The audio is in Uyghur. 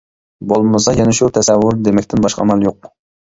بولمىسا يەنە شۇ تەسەۋۋۇر دېمەكتىن باشقا ئامال يوق.